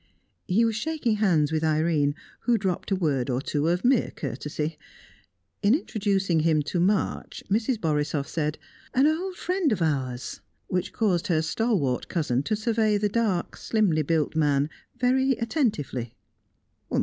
He was shaking hands with Irene, who dropped a word or two of mere courtesy. In introducing him to March, Mrs. Borisoff said, "An old friend of ours," which caused her stalwart cousin to survey the dark, slimly built man very attentively.